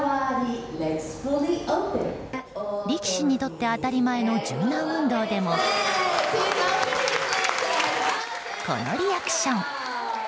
力士にとって当たり前の柔軟運動でもこのリアクション。